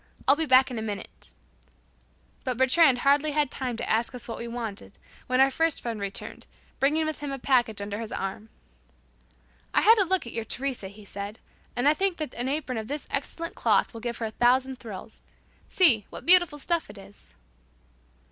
I'll be back in a minute." But "Bertrand" hardly had time to ask us what we wanted, when our first friend returned, bringing with him a package under his arm. "I had a look at your Teresa," he said, "and I think that an apron of this excellent cloth will give her a thousand thrills. See, what beautiful stuff it is."